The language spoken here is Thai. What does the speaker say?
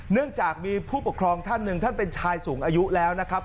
เนื่องจากมีผู้ปกครองท่านหนึ่งท่านเป็นชายสูงอายุแล้วนะครับ